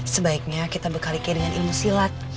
sebaiknya kita bekali kay dengan ilmu silat